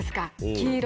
黄色。